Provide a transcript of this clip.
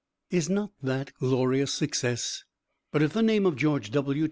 Is not that glorious success? But if the name of George W.